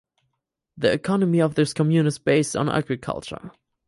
The economy of this commune is based on agriculture.